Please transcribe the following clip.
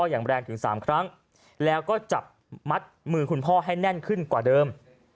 อย่างแรงถึง๓ครั้งแล้วก็จับมัดมือคุณพ่อให้แน่นขึ้นกว่าเดิม